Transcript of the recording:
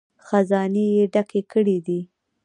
خزانې یې ډکې کړې دي.